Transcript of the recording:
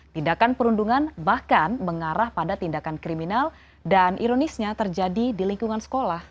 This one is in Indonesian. tindakan perundungan bahkan mengarah pada tindakan kriminal dan ironisnya terjadi di lingkungan sekolah